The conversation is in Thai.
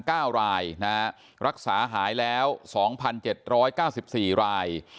เก้ารายนะฮะรักษาหายแล้วสองพันเจ็ดร้อยเก้าสิบสี่ราย